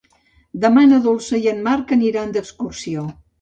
Demà na Dolça i en Marc aniran d'excursió.